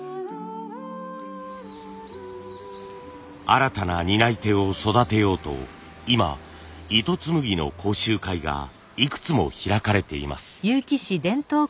新たな担い手を育てようと今糸つむぎの講習会がいくつも開かれています。